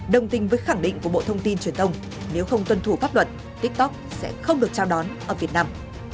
đồng tình với khẳng định của bộ thông tin truyền thông nếu không tuân thủ pháp luật tiktok sẽ không được trao đón ở việt nam